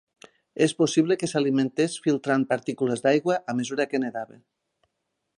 És possible que s'alimentés filtrant partícules de l'aigua a mesura que nedava.